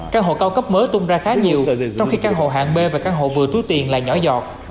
căn hộ cao cấp mới tung ra khá nhiều trong khi căn hộ hạng b và căn hộ vừa túi tiền là nhỏ giọt